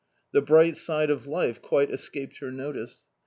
The bright side of life quite escaped her notice.